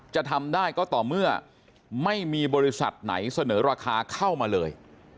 จะทำได้ก็ต่อเมื่อไม่มีบริษัทไหนเสนอราคาเข้ามาเลย